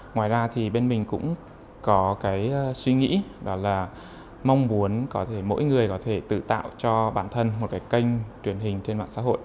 ngoài ra thì bên mình cũng có cái suy nghĩ đó là mong muốn có thể mỗi người có thể tự tạo cho bản thân một cái kênh truyền hình trên mạng xã hội